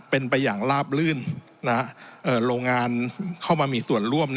เป็นไปอย่างลาบลื่นโรงงานเข้ามามีส่วนร่วม